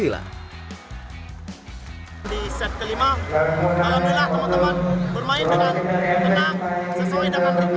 bermain dengan kenang sesuai dengan ritme yang disuruh siap